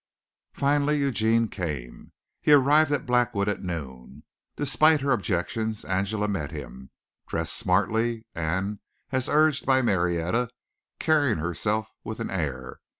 Finally Eugene came. He arrived at Blackwood at noon. Despite her objections Angela met him, dressed smartly and, as urged by Marietta, carrying herself with an air.